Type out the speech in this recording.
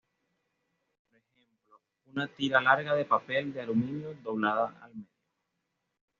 Por ejemplo una tira larga de papel de aluminio doblada al medio.